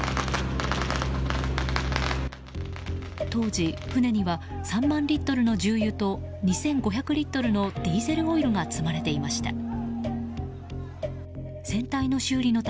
当時、船には３万リットルの重油と２５００リットルのディーゼルオイルが積まれていました。